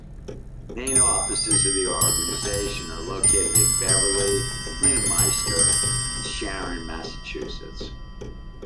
Main offices of the organization are located in Beverly, Leominster, and Sharon, Massachusetts.